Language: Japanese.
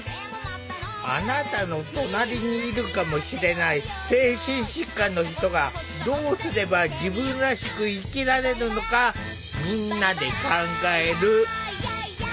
あなたの隣にいるかもしれない精神疾患の人がどうすれば自分らしく生きられるのかみんなで考える。